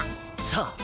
さあ！